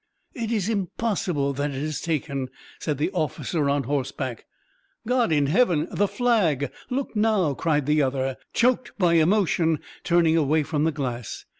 "'It is impossible that it is taken!' said the officer on horseback. "'God in heaven the flag! Look now!' cried the other, choked by emotion, turning away from the glass.